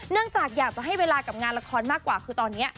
เนื่องจากอยากจะให้เวลากับงานละครมากกว่าคือตอนนี้